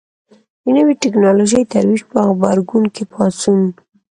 د نوې ټکنالوژۍ ترویج په غبرګون کې پاڅون.